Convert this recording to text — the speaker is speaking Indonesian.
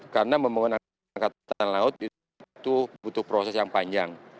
karena pembangunan angkatan laut itu butuh proses yang panjang